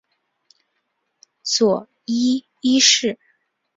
佐伊一世。